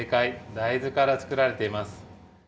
大豆からつくられています。